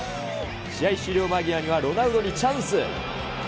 試合終了間際にはロナウドにチャンス。